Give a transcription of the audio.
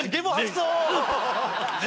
そう